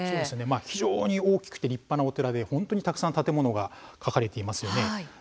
非常に大きくて立派なお寺でたくさん建物が描かれています。